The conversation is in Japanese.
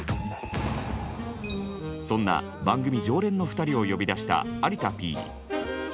そんな番組常連の２人を呼び出した有田Ｐ。